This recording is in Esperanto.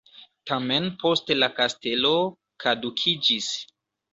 Tamen poste la kastelo kadukiĝis.